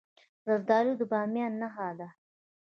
زردالو د بامیان نښه ده.